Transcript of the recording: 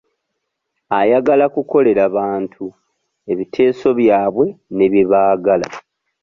Ayagala kukolera bantu, ebiteeso byabwe ne bye baagala.